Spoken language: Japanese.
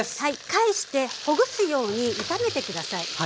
返してほぐすように炒めて下さい。